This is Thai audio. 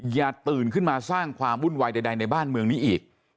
อย่าตื่นขึ้นมาสร้างความวุ่นวายใดในบ้านเมืองนี้อีก